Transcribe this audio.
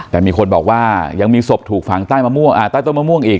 แต่มีคนบอกว่ายังมีศพถูกฝังใต้มะม่วงใต้ต้นมะม่วงอีก